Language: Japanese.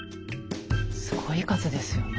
すごい数ですよね。